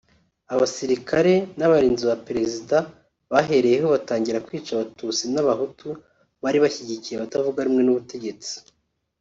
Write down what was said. abasirikare n’abarinzi ba Perezida bahereyeho batangira kwica abatutsi n’abahutu bari bashyigikiye abatavuga rumwe n’ubutegetsi